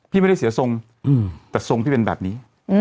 พี่ไม่ได้เสียทรงแต่ทรงพี่เป็นแบบนี้